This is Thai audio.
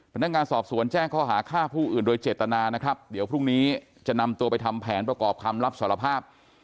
พนักงานสอบสวนแจ้งข้อหาฆ่าผู้อื่นโดยเจตนานะครับเดี๋ยวพรุ่งนี้จะนำตัวไปทำแผนประกอบคำรับสารภาพ